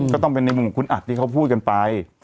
ก็ต้องเป็นในมุมของคุณอัดที่เขาพูดกันไป